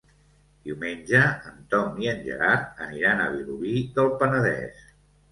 Diumenge en Tom i en Gerard aniran a Vilobí del Penedès.